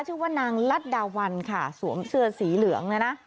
ชื่อว่านางลัดดาวันค่ะสวมเสื้อสีเหลืองเนี่ยนะ